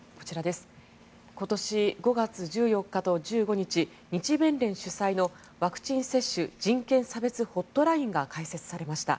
今年５月１４日と１５日日弁連主催のワクチン接種・人権・差別ホットラインが開設されました。